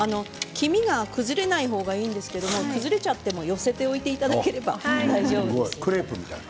黄身が崩れない方がいいんですけれど崩れたら寄せておいていただければ大丈夫です。